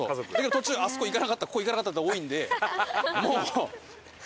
途中「あそこ行かなかったここ行かなかった」って多いんで。